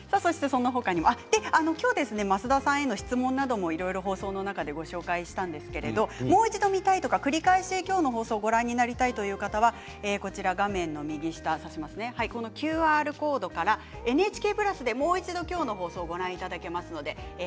今日、増田さんへの質問などもいろいろ放送の中でご紹介したんですけれどもう一度、見たい繰り返し今日の放送をご覧になりたいという方は画面の右下ＱＲコードからＮＨＫプラスでもう一度今日の放送をご覧いただけます。